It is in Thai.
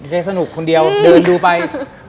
ได้สนุกคนเดียวเดินดูไป